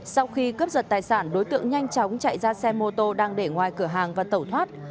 sau khi cướp giật tài sản đối tượng nhanh chóng chạy ra xe mô tô đang để ngoài cửa hàng và tẩu thoát